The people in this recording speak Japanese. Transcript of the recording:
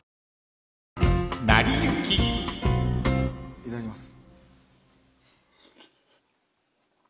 いただきます。